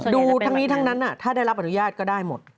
ดูทั้งนี้ทั้งนั้นถ้าได้รับอนุญาตก็ได้หมด